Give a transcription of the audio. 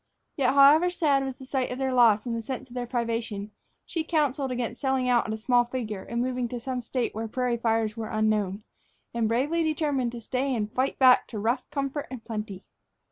Yet, however sad was the sight of their loss and the sense of their privation, she counseled against selling out at a small figure and moving to some State where prairie fires were unknown, and bravely determined to stay and fight back to rough comfort and plenty.